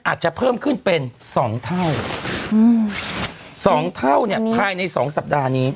อาจจะเพิ่มขึ้นเป็น๒เท่า๒เท่าเนี่ยภายใน๒สัปดาห์นี้